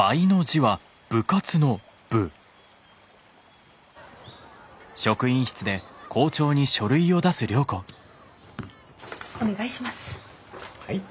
はい。